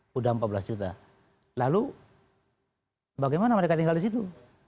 sudah empat belas juta lalu bagaimana mereka tinggal di situ